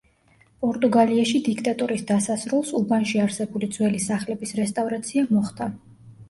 პორტუგალიაში დიქტატურის დასასრულს უბანში არსებული ძველი სახლების რესტავრაცია მოხდა.